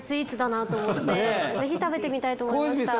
ぜひ食べてみたいと思いました。